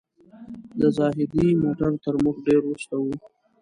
د زاهدي موټر تر موږ ډېر وروسته و.